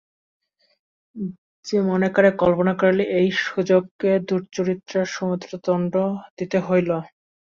সে মনে মনে কল্পনা করিল এই সুযোগে এই দুশ্চরিত্রাকে সমুচিত দণ্ড দিতে হইল।